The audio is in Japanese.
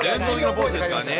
ポーズですからね。